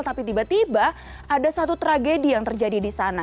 tapi tiba tiba ada satu tragedi yang terjadi di sana